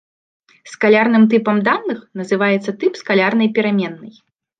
Скалярным тыпам даных называецца тып скалярнай пераменнай.